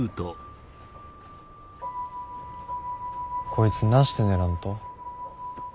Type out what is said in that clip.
こいつなして寝らんと？